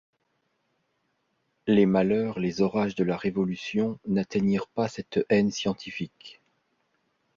Les malheurs, les orages de la Révolution n’éteignirent pas cette haine scientifique.